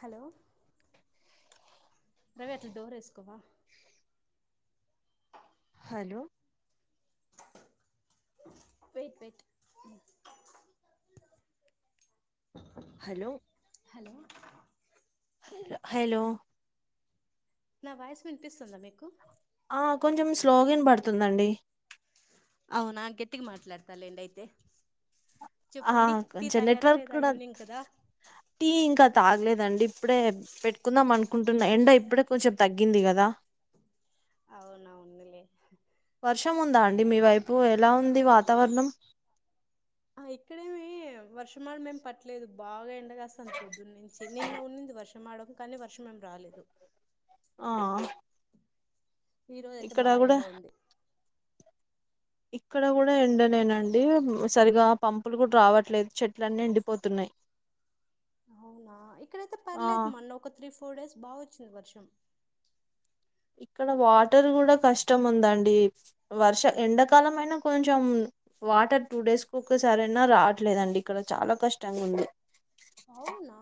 Hello పెట్లు door వేసుకోవా? Hello పెయిట్ పెయిట్ ట్ ట్ హలో హలో హె హలో నా వాయిస్ వినిపిస్తుందా మీకు ఆ కొంచెం స్లోగ వినపడుతుందండి అవునా గెట్టిగా మాట్లాడతాలెండి అయితే ఆ చెప్పండి టీ కొంచెం తాగారా నెట్వర్క్ లేదా కూడా ఈవినింగ్ కదా టీ ఇంకా తాగలేదండి ఇప్పుడే పెట్టుకుందాం అనుకుంటున్నా ఎండ ఇప్పుడే కొంచెం తగ్గింది కదా అవునవును లే వర్షం ఉందా అండి మీ వైపు ఎలా ఉంది వాతావరణం ఆ ఇక్కడేమి వర్షమాడు మేం పట్టలేదు బాగా ఎండ కాస్తుంది పొద్దున్న నుంచి నిన్న ఉన్నింది వర్షం ఆడడం కానీ వర్షం ఏం రాలేదు ఆ ఈరోజ అయితే ఇక్కడ బా కూడా ఎండ ఉంది ఇక్కడ కూడా ఎండలేనండి సరిగా పంపులు కూడా రావట్లేదు చెట్లన్నీ ఎండిపోతున్నాయ్ [inaudible] అవునా ఇక్కడైతే పర్లేదు మొన్న ఒక త్రీ ఫోర్ డేస్ బా వచ్చింది వర్షం ఇక్కడ వాటర్ కూడా కష్టం ఉందండి వర్ష ఎండాకాలం అయినా కొంచెం వాటర్ టూ డేస్ కు ఒక్కసార అయినా రావట్లేదండి ఇక్కడ చాలా కష్టంగా ఉంది అవునా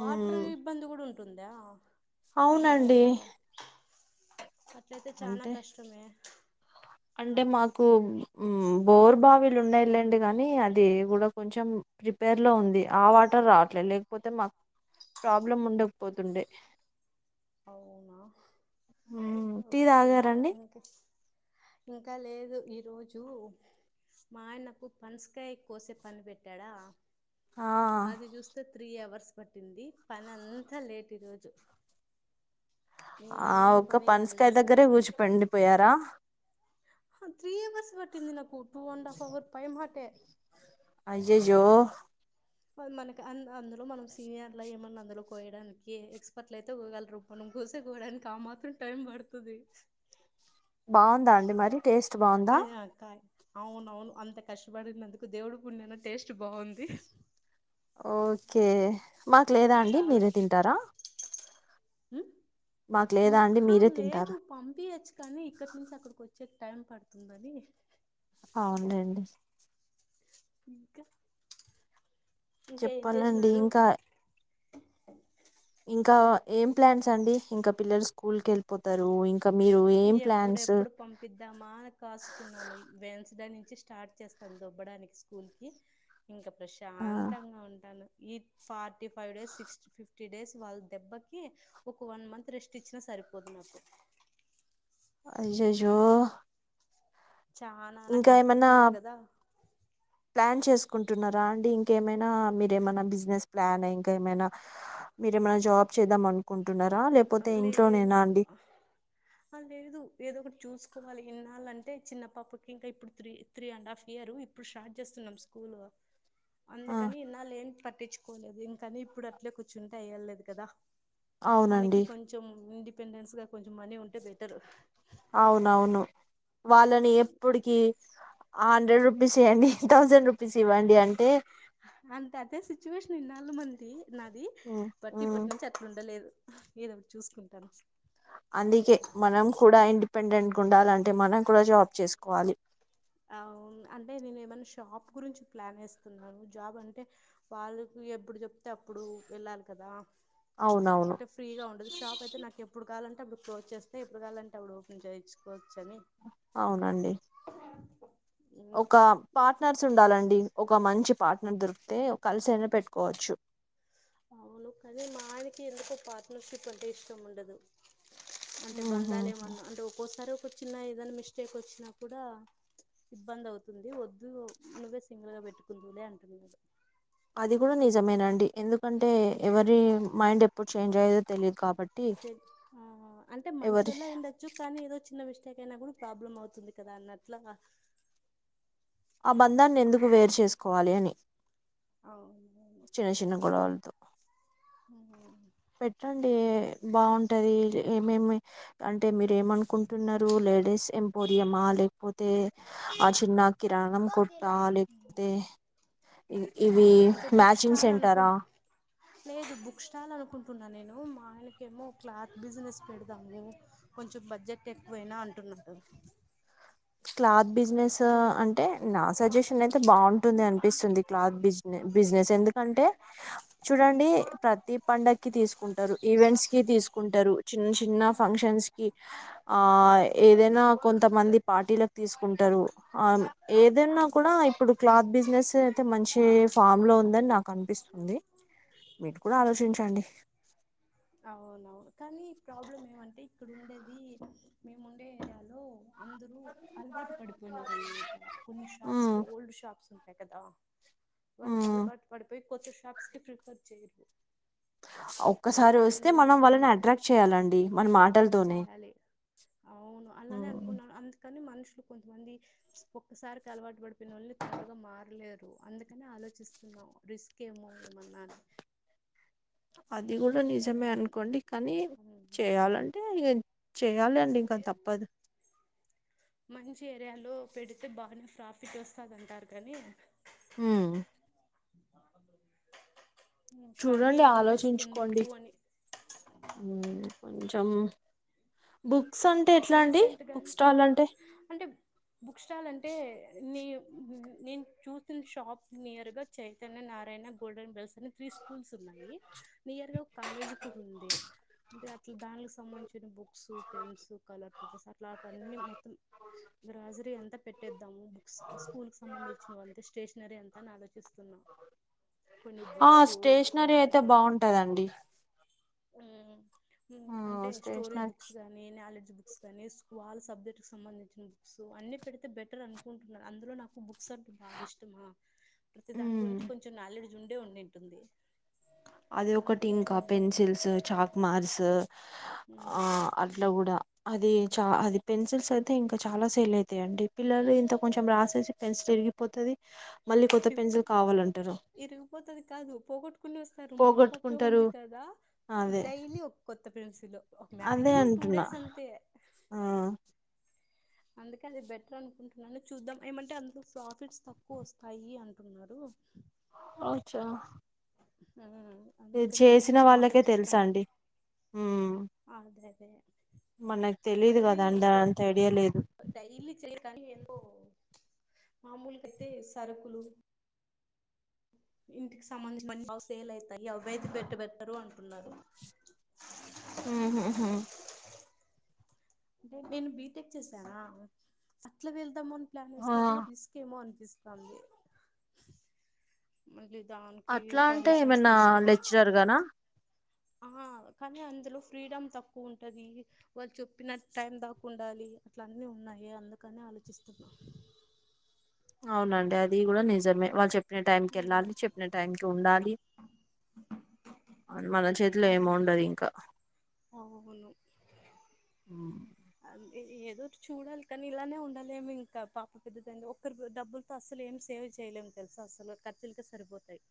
వాటర్ ఉమ్, ఇబ్బంది కూడా ఉంటుందా అవునండి అయేరియాలో అట్లయితే చనా అంటే కష్టమే అంటే మాకు బోర్ బావిలు ఉండేళండి గానీ అది కూడా కొంచెం ప్రిపేర్ లో ఉంది ఆ వాటర్ రావట్లేదు లేకపోతే మాకు ప్రాబ్లం ఉండకపోతుండే అవునా మ్, టీ కే తాగారండి ఇంకా ఇంకా లేదు ఈ రోజు మా ఆయనకు పనసకాయ కోసే పని పెట్టాడా ఆ అది చూస్తే త్రీ అవర్స్ పట్టింది పని అంతా లేట్ ఈరోజు ఆ ఏం ఒక పని కాలేదు పనసకాయ అసలు దగ్గరే కూఊర్చిపండిపోయారా త్రీ అవర్స్ వాటింది నాకు టూ అండ్ హాఫ్ అవర్ పైమ్ మాటే అయయ్యో మనకి అందులో మనం సీనియర్ ఏమన్నా అందులో కోయడానికి ఎక్స్పర్ట్ల అయితే కోయగలరు మనం కో సేకోడానికి ఆ మాత్రం టైం పడుతది బావుందా అండి మరి టేస్ట్ బావుందా అయినా అక్క అవునవును అంత కష్టపడినందుకు దేవుడి పణ్యాన టేస్ట్ బావుంది ఓకే మాకు లేదా అండి మీరే తింటారా మాకు లేదా అండి హ మీరే లేదు తింటారా పంపియచ్చు కానీ ఇక్కడి నుంచి అక్కడికి వచ్చ వచ్చే టైం పడుతుందని అవున్లెండి ఇంకా ఇంకా ఏం చెప్పాలండి చేసినారు ఇంకా ఇంకా ఏం ప్లాన్స్ అండి ఇంకా పిల్లలు స్కూల్ కేళ్ళిపోతారు ఇం ఎప్పుడెప్పుడు పంపిద్దామా అని కాసుకున్నాను వెన్సడే స్టార్ట్ చేస్తాను దొబ్బడానికి స్కూల్ కి ఇంకా ఆ ప్రశాంతంగా ఉంటాను ఈ forty five days sixty fifty days వాళ్ళ దెబ్బకి ఒక వన్ మంత్ రెస్ట్ ఇచ్చిన సర్ పోదు నాకు అయ్యాయో చనా నాకు ఇద్దరు పిల్లలు కదా చేస్కుంటున్నారండి ఇంక ఏమైనా మీరేమనా బిజినెస్ ప్లాన్ ఇంక ఏమనా మీరేమ జాబ్ చేద్దా అనుకుంట లేదు అ లేదు ఏదో ఒకటి చూసుకో సుకోవాలి ఎన్నాళ్ళంటే చిన్న పాపకి ఇంకా ఇప్పుడు three three and half year ఇప్పుడు స్టార్ట్ చేస్తున్నాం స్కూల్ ఆ అందుకని ఇన్నాళ్ళు ఏం పట్టించుకోలేదు ఇంకాని ఇప్పుడు అట్లే కూర్చుంటే అయ్యలేదు కదా మనకి అవునండి కొంచెం ఇండిపెండెన్స్గా కొంచెం మనీ ఉంటే బెటర్ అవునవును వాళ్ళని ఎప్పటికి హండ్రెడ్ రూ బసియాండి థౌసండ్ రూ అంతే అదే సిచ్యువేషన్ ఇన్నాాలు మంది నాది బట్టి ఇప్పటి నుంచి అట్లు ఉండలేదు ఏదన్నా చూసుకుంటాను అందుకే మనం కూడా ఇండిపెండెంట్గా ఉండాలంటే మనం కూడా జాబ్ చేసుకోవాలి ఆవును అంటే నేను ఏమన్నా షాప్ గురించి ప్లాన్ ఎస్కున్నాను జాబ్ అంటే వాళ్ళ ఎప్పుడు చెప్తే అప్పుడు వెళ్ళాలి కదా అవునవును అంటే ఫ్రీగా ఉండదు షాప్ అయితే నాకు ఎప్పుడు కావాలం టే అప్పుడు క్లోజ్ చేస్తే ఎప్పుడు కావాలంటే అపుడు ఓపెన్ చేసుుకోవచ్చ అని అవునండి ఒక ఇంకా పార్ట్నర్స్ ఉండాలండి ఒక మంచి పార్ట్నర్ దొరికితే కాలసైనా పెట్టుకోవచ్చు అవును కాని మా ఆయనకి ఎందుకో పార్ట్నర్షిప్ అంటే ఇష్టం ఉండదు అంటే ఉహు. బంధాలు ఏమన్నా అంటే ఒక్కోసారి ఒక చిన్న ఏదనా మిస్టేక్ వచ్చిన కూడా సిబ్బంది అవుతుంది వద్దు నువ్వే సింగిల్ గా పెట్టుకుందిలే అంటున్నాడు అది కూడా నిజమేనండి ఎందుకంటే ఎవరి మైండ్ ఎప్పుడు చేంజ్ అయ్యేదో తెలియదు కాబట్టి ఆ అంటే ఎవరి మంచోళ ఉండొచ్చు కానీ ఏదో చిన్న మిస్ టేక్ అయిన కూడా ప్రాబ్లం అవుతుంది కదా అన్న అట్లా ఆ బంధాన్ని ఎందుకు వేరు చేసుకోవాలి అని అవునవును చిన్న చిన్న గోడవ్లతో పెట్టండి బాగుంటది ఏమేమి అంటే మీరు ఏమనుకుంటున్నారు లే లేడీస్ ఎంపోరియంమా లేక్పోతే ఆ చిన్న కిరాణం కొట్ట లేకపోతే ఆ ఇవి అంటే బుక్ మ్యాచింగ్ స్టాల్ సెంటరా అనుకుంటు లేదు బుక్ స్టాల్ అనుకుంటు న్నా నేను మా ఆయనకెమో క్లాత్ బిజినెస్ పెడదాములె కొంచెం బడ్జెట్ ఎక్కువైనా అంటున్నా నారూ క్లాత్ బిజినెస్ అంటే నా సజెషన్ అయితే బాగుంటుంది అన్ పిస్తుంది క్లోత్ బిజి బిజీనెస్ ఎందుకంటే చూడండి ప్రతి పండగకి తీస్కు టారు ఈవెంట్ కి తీసుకుంటారు చిన్న చిన్న ఫంక్షన్కీ ఆ ఏదైనా కొంతమంది పార్టీలకు తీసుకుంటారు ఆల్ ఏదైన్నా కూడా ఇప్పుడు క్లాత్ బిజినెస్ అయితే మంచి ఫామ్ లో ఉందని నాకు అనిపిస్తుంది మీరు కూడా ఆలోచించండి అవునవును కానీ ప్రాబ్లం ఏమంటే ఇక్కడ ఉండేది మేము ఉండే ఏరియాలో అందరు అలవాటు పడిపోయినార అనమాట కొన్ని షాప్స్ ఉమ్ కు ఓల్డ్ షాప్స్ ఉంటాయి కదా వాళ్ళు ఉమ్ కలబాటు పడిపోయి కొత్త షాప్స్ కి ప్రిఫర్ చేయరు వాళ్ళు ఒక్కసారి ఎన్నో వస్తే ఏళ్ళ మనం నుంచి ఉన్ వాళ్ళని అట్రాక్ట్ చేయాలండి మన మాటలతోనే చేయాలి అవును అలానే ఉమ్ అనుకున్నాను అందు కానీ మనుషులు కొంతమంది ఒక్కసారికి అలవాటు పడిపోయిన వాళ్ళని తొందరగా మారలేరు అందుకని ఆ ఆలోచిస్తున్నాం రిస్క్ ఏమోమన్నా అది కూడా నిజమే అన్ అనుకోండి కానీ చేయాలంటే చేయాలి అంటే అండి ఇంకా తప్పదు మంచి ఏరియాలో పెడితే బాగా ట్రాఫిక్ వస్తందింటారు కానీ ఉ కానీ చూడండి ఏమో రిస్క్ ఆలోచించుకోండి ఎందుకు అని ఉ కొంచెం బుక్ అంటే ఎట్లా అండి రీసెంట్గా స్టాల్ అంటే అంటే బుక్ స్టాల్ అంటే నీ నేను చూస్తున షాప్ నియర్ గా చైతన్య నారాయణ గోల్డెన్ బెల్స్ని త్రీ స్కూల్స్ ఉన్నాయి నియర్ గా కాలేజ్ కూడా ఉంది అంటే అట్లా దాని సంబంధించిన book book pens colour papers అట్లావన్న మొత్తం గ్రాజరీ ఎంత పెట్టేద్దాము బుక్స్ స్కూల్ కి సంబంధించిన అంతే స్టేషనరీ ఎంతా అని ఆలోచిస్తున్నాం ఆ స్టేషనరీ నా అయితే బాగుంటందండి అంటే స్టోరీ స్టేషనరీ బుక్స్ గానీ నాలెడ్జ్ బుక్ బక్స్ కానీ ఆల్ సబ్జెక్ట్ సంబంధించిన బుక్స్ అన్ని పెడితే బెటర్ అనుకుంటున్నారు అందులో నాకు బ బక్స్ అంటే బాగా ఇష్టమా ప్రతి దాని గురించి కొంచెం నాలెడ్జ్ ఉండే ఉండింటుంది అది ఒకటి అందుకని ఇంకా చూద్దాం పెన్సిల్స్ చాక్ మార్స్ ఆ అట్లా కూడా అది చ అది పెన్సిల్స్ అయితే ఇంకా చాలా సేల్ అవుతాయంండి పిల్లలు ఇకా కొంచెం రాసేసి పెన్సిల్ విరిగిపోతది ది విరిగిపోతది కాదు పోగొట్టుకోని వస్త తారు మా పాపే పోగొట్టుకుంటారు ఉంది కదా అదే డైలీ ఒక కొత్త పెన్సిల్ ఒక అదే మాక్సిమం టూ అంటున్నా డేస్ అంతే ఆ అందుకే అది బెటర్ అనుకుంటున్నాను చూద్దాం ఏమంటే అందులో ప్రాఫిట్స్ తక్కువ వస్తాయి అంటున్నారు అచ్చా [unintelligible] చేసిన కొంచెం వాళ్ళకే తెలుసు ఆలోచిస్తాను అండి ఉ బే మనకు తెలీదు కదా అంతా ఐడియా లేదు డైలీ చేయరు కానీ ఏదో మామూలుగా అయితే సరకులు ఇంటికి సంబంధించిన అ సేల్ అవుతాయి అవి అయితే పెట్టుబెట్టరు అంటున్నారు ఉ హు హు అంటే నేను బీటెక్ చేశానా అట్లా వెళ్దామని అట్లా ఆ చూసినాకూడా రిస్క్ ఏమో అనిపిస్తుంది మళ్ళీ దానికి అట్లా అంటే పర్మిషన్స్ ఏమైనా తీసుకొని లెక్చరర్ గానా ఆ కానీ అందులో ఫ్రీడమ్ తక్కువ ఉంటది వాళ్లు చెప్పిన టైం దాకు ఉండాలి అట్లా అన్నీ ఉన్నాయి అందుకనే ఆలోచిస్తునా అవునండి అది కూడా నిజమే వాళ్ళు చెప్పిన టైం క వెళ్ళాలి ఆలోచిస్తున్నా చెప్పిన టైం కి ఉండాలి మన చేతిలో ఏమ ఉండదు ఇంకా అవును ఏదో చూడాలి కానీ ఇలానే ఉండాలేము ఇంకా పాప పెద్ద అయింది ఒకరు డబ్బులతో అసలు ఏం సేవ్ చేయలేం తెలుస అసలు ఖర్చులుగా సరిపోతాయి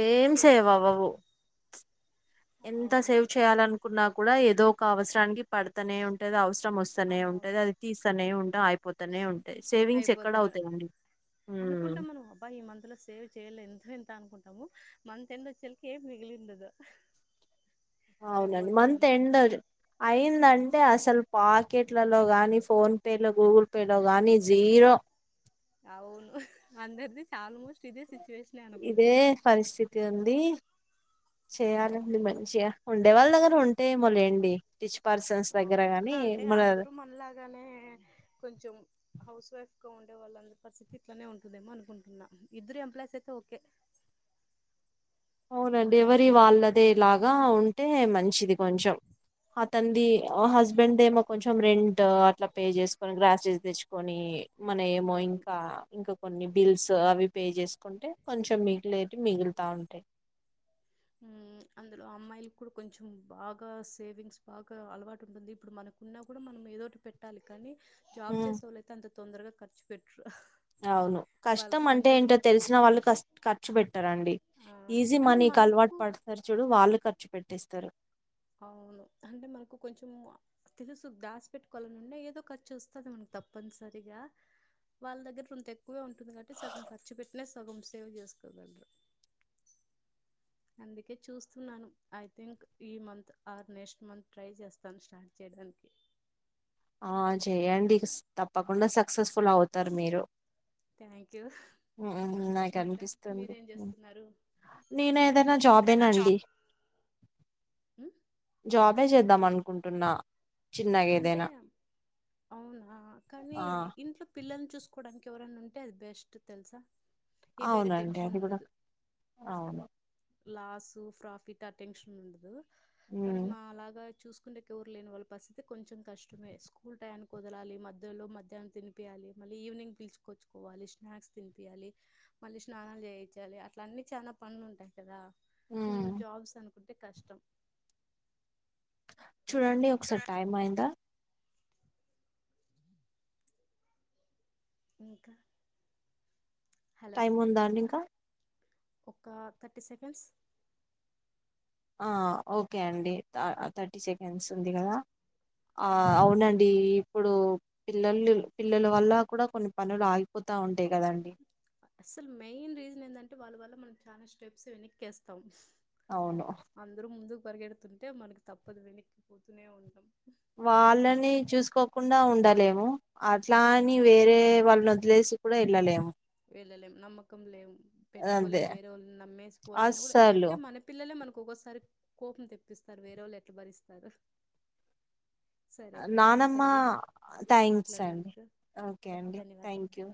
ఇద్దరు సేల్ సేవ్ అవవు ఎంత అవును సేవ్ ఇద్- చేయాలనుకున్నా కూడా ఏదో ఒక అవసరానికి పడుతనే ఉంటది అవసరం కష్టం వస్తూనే అవును ఉంటుది అది తీస్తనే ఉంటాంది అయిపోతూనే ఉంటాంది అయిపోతాను ఉమ్ అనుకుంటా మనం అబ్బా ఈ మందులో సేవ్ చేయలే ఎంతో ఎంత అనుకుంటాము మంత్ ఎండ్ వచ్చేలకి ఏం మిగిలిండదు అవునండి అయిపోతది మంత్ అంతా ఎండ్ అయింది అం అంటే అసలు పాకెట్లలో కానీ ఫోన్ పేలో గూగుల్ పేలో గానీ జీరో అవును అందరిది ఆల్మోస్ట్ ఇదే సిచ్యువేషనే ఇదే అనుకుంటా పరిస్థితి ఉంది చేయాలండి మంచిగా ఉండే వాళ్ళ దగ్గర ఉంటాయి ఏమో లేండి ఇచ్చు అవును అంటే అందర మనలాగానే కొంచెం హౌస్ వైఫ్ గా ఉండే వాళ్ళందరి పరిస్థితి ఇట్లానే ఉంటుందేమో అనుకుంటున్నా ఇద్దరు ఎంప్లాయీస్ అయితే ఓకే అవునండి ఎవరి వాళ్ళదేలాగా ఉంటే మంచిది కొంచెం అతంది హస్బెండ్ ఏమో కొంచెం రెం ట్ పే చేసుకొని గ్రాసెస్ తెచ్చుకొని మన ఏమో అవును ఇంకా ఇంకా కొన్ని బిల్స్ అవి పే చేసు కుంటే కొంచెం మిగిలేవి మిగులుతా ఉంటాయి ఆ అందులో అమ్మాయిలు కూడా కొంచెం బాగా సేవింగ్స్ బాగా అలవాటు ఉంటుంది ఇప్పుడు మనకున్నా కూడా మనం ఏదోటి పెట్టాలి కానీ జాబ్ ఉమ్, చేసే వాళ్ళయితే అంత తొందరగా ఖర్చు పెట్ అవును కష్టం అంటే కొంచెం ఏంటో తెలిసిన వాళ్ళు ఖర్చు పెట్ట రండి ఆ, ఈజీ అంటే మనీకి అలవాటు మనకు పడతారు చూడు వాళ్ళు ఖర్చు పెట్టేస్తారు అవును అంటే మనకు కొంచెం తెలుసు దాసి పెట్టుకోవాల నుండి ఏదో ఖర్చు వస్తుంది మనకు తప్పనిసరిగా వాళ్ళ దగ్గర కొంత ఎక్కువ ఉంటుంది కాబట్టి సగం ఖర్చు పెట్టినా సగం సేవ్ చేసుకోగలరు అందుకే చూస్తున్నాను ఐ థింక్ ఈ మంత్ ఆ నెక్స్ట్ మంత్ ట్రై చేస్తాను స్టార్ట్ చే ధనికి ఆ చెయండి తప్పకుండా సక్సెస్ఫుల్ అవుతారు మీరు థ్యాంక్ యూ ఉమ్, నాకు ఇంకా అనిపిస్తుంది మీరేం ఉమ్. చేస్తున్నారు నేను ఏదైనా జాబేనాండి హ జోబే చేద్దాం అనుకుంటున్నా చిన్నగా అంటే ఏదైనా అవునా కానీ ఆ ఇంట్లో పిల్లలను చూసు సుకోవడానికి ఎవరైనా ఉంటే అది బెస్ట్ తెలుసా ఏ వేరే అవునండి టెన్షన్ అది కూడా అవును లాస్ ప్రాఫిట్ అటెన్షన్ ఉండదు కానీ మ్మ్ మా అలాగా చూసు కుండే కురు లేని వాళ్ళ పరిస్థి కొంచెం కష్టమే స్కూల్ టైం కుదలాలి మధ్యలో మధ్యాహ్ం తినిపియాలి మళ్ళీ ఈవినింగ్ పిలుచ్చుకోవాలి మళ్ళీ స్నాక్స్ తినిపియాలి మళ్ళీ స్నానాలు చేయించాలి అట్లా అన్నీ చాలనా పనులు ఉంటాయి కదా మ్మ్ జాబ్స్ అనుకుంటే కష్టం చూడండి ఒకసారి టైం అయిందా ఇంకా హలో టైమ్ ఉందా అండి ఇంకా ఒక థర్టీ సెకండ్స్ ఓకే అండి థర్టీ సెకండ్స్ ఉంది కదా ఆ అవునండి ఇప్పుడు పిల్లలు పిల్లల వల్ల కూడా కొన్ని పనులు ఆగిపోతా ఉంటాయి కదండి అసలు మెయిన్ రీజన్ ఏందంటే వాళ్ళ వల్ల మనం చాలా స్టెప్స్ వెనక్క్కేస్తాం అవును అందరూ ముందుకు పరిగెడుతుంటే మనకి తప్పదు వెనక్కిపోతూనే ఉంటాం వాళ్ళని చూసుకోకుండా ఉండలేము అట్లా అని ఆ, వేరే వాళ్ళని వదిలేసి కూడా ఎళ్ళలేము పిల్లలేం నమ్మకం లేం పెట్టుకోలేం అదే వేరే వాళ్ళు నమ్మేసుకోవాలని కూడా అస్సలు ఏంటే మన పిల్లలే మన ఇంకొక్కసారి కోపం తెప్పిస్తారు వేరే వాళ్ళు ఎట్లా భరిస్తారు సరే థ్యాంక్స్ నానమ్మ అండి థ్యాంక్స్ అండి మాట్లాడినందుకు ఓకే అండి థ్యాంక్ యూ